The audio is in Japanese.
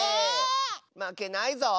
まけないぞ！